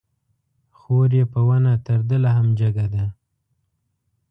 خور يې په ونه تر ده لا هم جګه ده